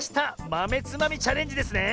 まめつまみチャレンジですね！